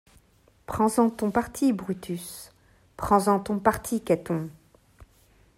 Prends-en ton parti, Brutus ; prends-en ton parti, Caton.